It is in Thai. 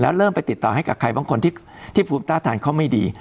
แล้วเริ่มไปติดต่อให้กับใครบางคนที่ภูมิต้าทานเขาไม่ดี